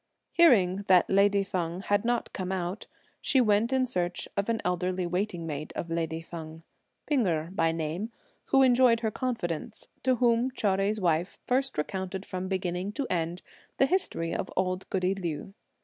Hearing that lady Feng had not come out, she went in search of an elderly waiting maid of lady Feng, P'ing Erh by name, who enjoyed her confidence, to whom Chou Jui's wife first recounted from beginning to end the history of old goody Liu.